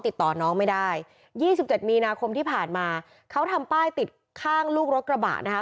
ติดต่อน้องไม่ได้ยี่สิบเจ็ดมีนาคมที่ผ่านมาเขาทำป้ายติดข้างลูกรถกระบะนะคะ